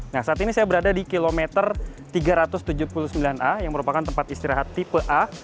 nah saat ini saya berada di kilometer tiga ratus tujuh puluh sembilan a yang merupakan tempat istirahat tipe a